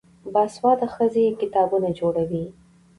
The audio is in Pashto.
باسواده ښځې کتابتونونه جوړوي.